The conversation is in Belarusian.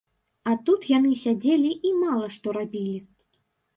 А тут яны сядзелі і мала што рабілі.